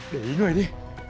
để ý người đi